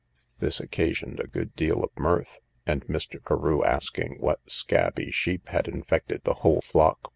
This occasioned a good deal of mirth; and Mr. Carew asking what scabby sheep had infected the whole flock?